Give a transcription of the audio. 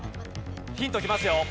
ヒントきますよ。